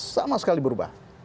sama sekali berubah